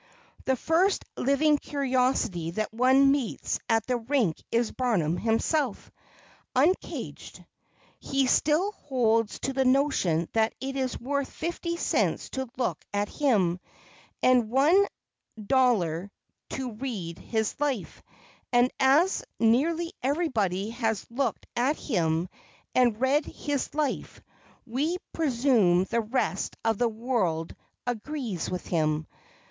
The first living curiosity that one meets at the Rink is Barnum himself uncaged. He still holds to the notion that it is worth fifty cents to look at him, and one dollar to read his life; and as nearly everybody has looked at him and read his life, we presume the rest of the world agrees with him.